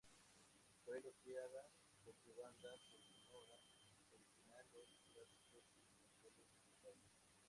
Fue elogiada por su banda sonora original, los gráficos y controles respetables.